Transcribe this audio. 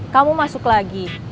kamu masuk lagi